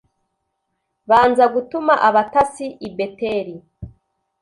Babanza Gutuma Abatasi I Beteli